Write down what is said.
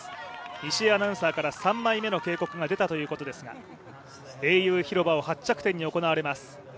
石井アナウンサーから３枚目の警告が出たということですが英雄広場を発着点に行われます。